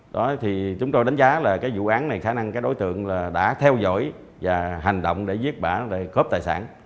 đó thì chúng tôi đánh giá là cái vụ án này khả năng cái đối tượng là đã theo dõi và hành động để giết bà để cướp tài sản